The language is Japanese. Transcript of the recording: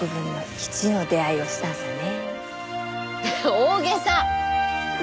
大げさ！